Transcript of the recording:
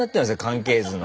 関係図の。